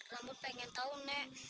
rambun pengen tau nek